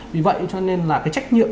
vì vậy cho nên là cái trách nhiệm